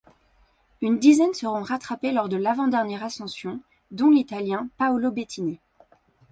Une dizaine seront rattrapés lors de l'avant-dernière ascension dont l'Italien Paolo Bettini.